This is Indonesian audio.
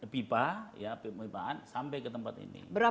pipa ya pipa pipaan sampai ke tempat ini